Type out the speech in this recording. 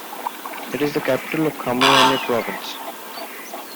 It is the capital of Khammouane Province.